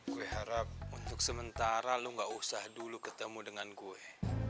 gue harap untuk sementara lo gak usah dulu ketemu dengan gue